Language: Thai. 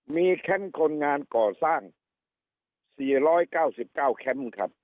มีแคมป์คนงานก่อสร้าง๔๙๙แคมป์ครับ